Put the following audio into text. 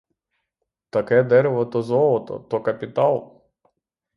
Таке дерево — то золото, то капітал!